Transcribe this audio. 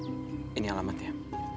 mas ini alamatnya